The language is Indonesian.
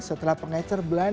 setelah pengecer belan